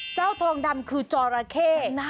เจ้าทองดำคือจอราเค